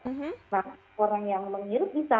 nah orang yang menghirup bisa